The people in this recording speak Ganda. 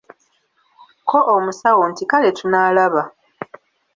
Ko omusawo nti Kale tunaalaba.